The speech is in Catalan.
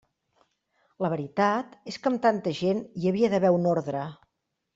La veritat és que amb tanta gent hi havia d'haver un ordre.